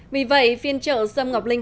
vì vậy phiên trợ xâm ngọc linh